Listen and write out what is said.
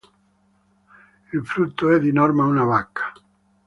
Il frutto è di norma una bacca.